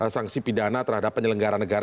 sanksi pidana terhadap penyelenggara negara